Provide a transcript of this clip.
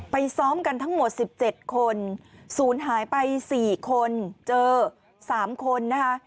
ซ้อมกันทั้งหมด๑๗คนศูนย์หายไป๔คนเจอ๓คนนะคะ